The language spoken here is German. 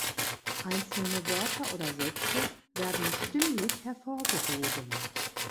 Einzelne Wörter oder Sätze werden stimmlich hervorgehoben.